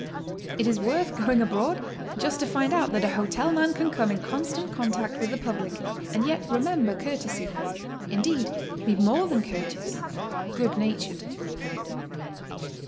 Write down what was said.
It is worth going abroad just to find out that a hotel man can come in constant contact with the 128 GOING ABROAD? public and yet remember courtesy, — indeed, be more than courteous, good natured.